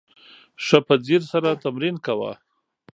ښه په ځیر سره تمرین کوه !